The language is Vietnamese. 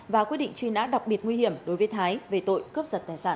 và quyết định truy nã đặc biệt nguy hiểm đối với thái về tội cướp giật tài sản